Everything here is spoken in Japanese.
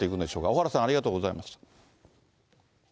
小原さん、ありがとうございました。